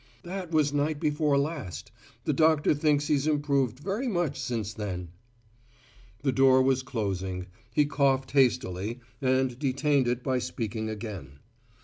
"That was night before last. The doctor thinks he's improved very much since then." The door was closing; he coughed hastily, and detained it by speaking again.